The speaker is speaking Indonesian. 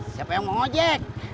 siapa yang mau ojek